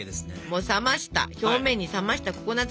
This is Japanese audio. もう冷ました表面に冷ましたココナツフィリング。